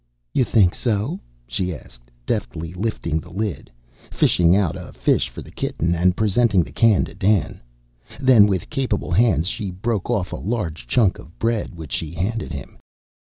"You think so?" she asked, deftly lifting the lid, fishing out a fish for the kitten, and presenting the can to Dan. Then with capable hands she broke off a large chunk of bread, which she handed him.